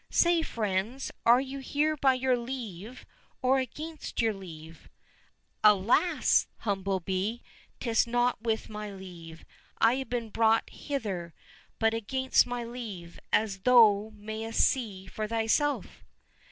—" Say, friends, are you here by your leave or against your leave ?"—" Alas ! little humble bumble bee, 'tis not with my leave I have been brought hither, but against my leave, as thou mayst see for thyself."